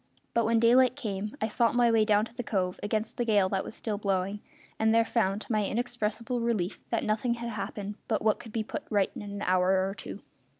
But when daylight came I fought my way down to the cove, against the gale that was still blowing, and there found, to my inexpressible relief, that nothing had happened but what could be put right in an hour or two.